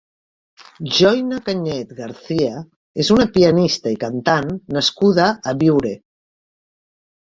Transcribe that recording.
Joina Canyet Garcia és una pianista i cantant nascuda a Biure.